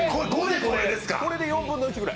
これで４分の１ぐらい。